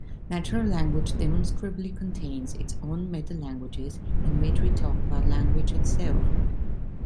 Natural language demonstrably contains its own metalanguages, in which we talk about language itself.